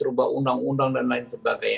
rubah undang undang dan lain sebagainya